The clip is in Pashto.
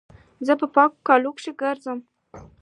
زه په پاکو کالو کښي ګرځم.